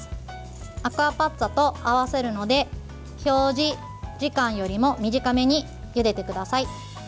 アクアパッツァと合わせるので表示時間よりも短めにゆでてください。